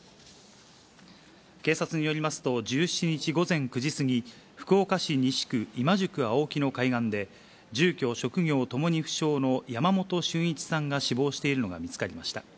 警察によりますと、１７日午前９時過ぎ、福岡市西区今宿青木の海岸で、住居、職業ともに不詳の山本駿一さんが死亡しているのが見つかりました。